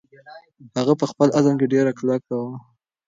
هغه په خپل عزم کې ډېره کلکه وه.